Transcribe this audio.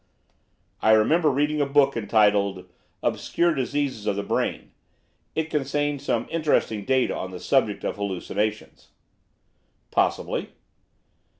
'I remember reading a book entitled "Obscure Diseases of the Brain." It contained some interesting data on the subject of hallucinations.' 'Possibly.